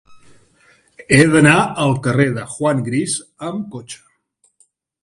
He d'anar al carrer de Juan Gris amb cotxe.